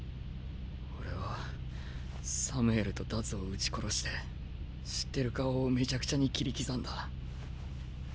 俺はサムエルとダズを撃ち殺して知ってる顔をめちゃくちゃに斬り刻んだ。